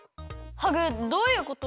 ハグどういうこと？